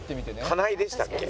金井でしたっけ？